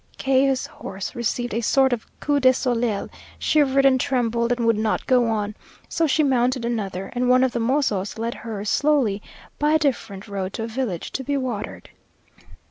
K 's horse received a sort of coup de soleil, shivered and trembled, and would not go on; so she mounted another, and one of the mozos led hers slowly by a different road to a village, to be watered.